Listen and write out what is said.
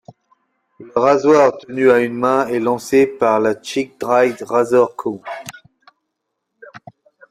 Le rasoir tenu à une main est lancé par la Schick Dry Razor Co.